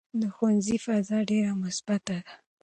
د ښوونځي فضا ډېره مثبته ده.